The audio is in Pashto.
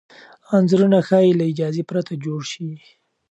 انځورونه ښايي له اجازې پرته جوړ شي.